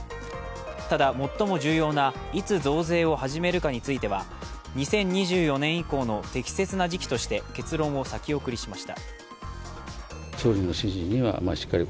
ただ、最も重要ないつ増税を始めるかについては２０２４年以降の適切な時期として結論を先送りしました。